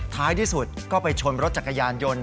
ท้ายที่สุดก็ไปชนรถจักรยานยนต์